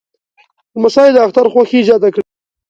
لمسی د اختر خوښي زیاته کړي.